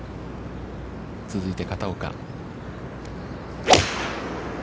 続いて片岡。